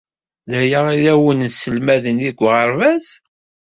D aya ay awen-sselmaden deg uɣerbaz?